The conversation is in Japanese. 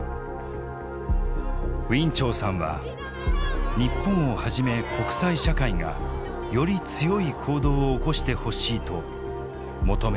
ウィン・チョウさんは日本をはじめ国際社会がより強い行動を起こしてほしいと求めています。